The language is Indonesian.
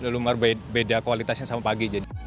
luar beda kualitasnya sama pagi